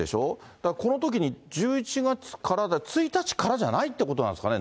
だからこのときに１１月からで、１日からじゃないってことなんですかね。